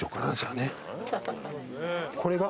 これが？